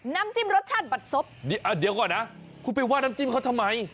น้ำจิ้มรสชาติบัดซบเดี๋ยวก่อนนะคุณไปว่าน้ำจิ้มเขาทำไม